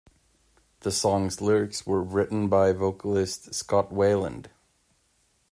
The song's lyrics were written by vocalist Scott Weiland.